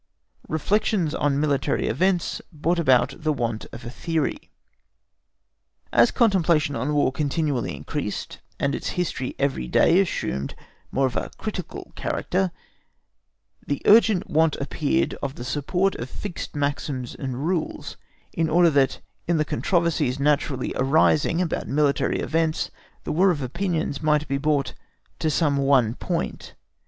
5. REFLECTIONS ON MILITARY EVENTS BROUGHT ABOUT THE WANT OF A THEORY. As contemplation on War continually increased, and its history every day assumed more of a critical character, the urgent want appeared of the support of fixed maxims and rules, in order that in the controversies naturally arising about military events the war of opinions might be brought to some one point.